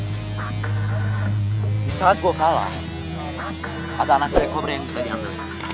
di saat gue kalah ada anak black cobra yang bisa diangkat